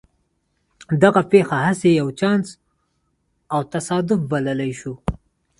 دغه پېښه هسې يو چانس او تصادف بللای شو.